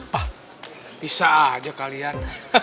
pak bisa aja kalian